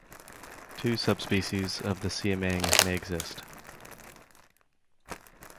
Two subspecies of the siamang may exist.